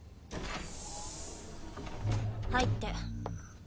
入って。